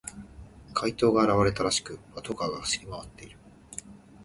怪盗が現れたらしく、パトカーが走り回っている。